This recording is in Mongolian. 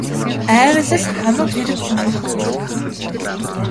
Айвал л хамаг хэрэг өнгөрөх нь тэр.